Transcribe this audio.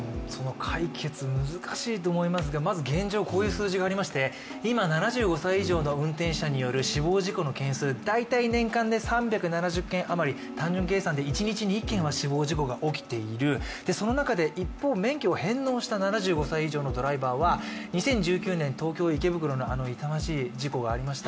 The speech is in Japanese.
解決、難しいと思いますね、まず現状、こういう数字がありまして、今７５歳の運転者による死亡事故の件数、大体年間で３７０件当たり、単純計算で一日２件死亡事故が起きている、その中で、一方、免許を返納した７５歳以上のドライバーは２０１９年東京・池袋のあの痛ましい事故がありました。